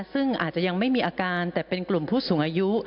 ซึ่งอาจจะยังไม่มีอาการแต่เป็นกลุ่มผู้สูงอายุ